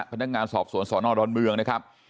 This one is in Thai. พนักงานสอบสวนสอนอดอนเมืองนะครับ